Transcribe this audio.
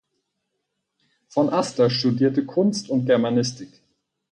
Von Aster studierte Kunst und Germanistik.